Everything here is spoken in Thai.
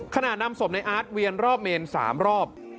ขณะนำศพในอาทเวียนรอบเมน๓รอบ